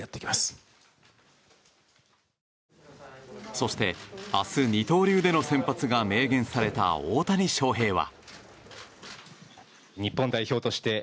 そして明日、二刀流での先発が明言された大谷翔平は。